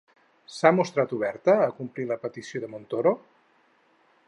S'ha mostrat oberta a complir la petició de Montoro?